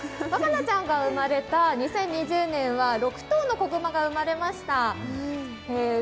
和奏ちゃんが生まれた２０２０年は６頭の子熊が生まれました。